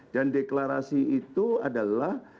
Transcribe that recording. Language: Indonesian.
dan deklarasi itu adalah